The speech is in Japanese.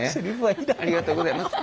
ありがとうございます。